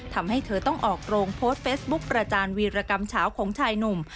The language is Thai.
ทำให้เธอต้องออกโรงโพสต์เฟสบุ๊คประจานวีรกรรมเฉาของชายหนุ่ม